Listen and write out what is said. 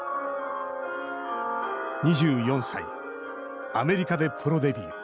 ２４歳、アメリカでプロデビュー。